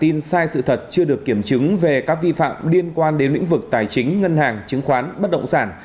tình trạng tin giả tin sai sự thật chưa được kiểm chứng về các vi phạm liên quan đến lĩnh vực tài chính ngân hàng chứng khoán bất động sản